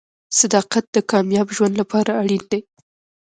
• صداقت د کامیاب ژوند لپاره اړین دی.